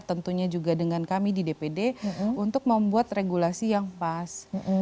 tentunya juga dengan kami di dpd untuk membuat regulasi yang pas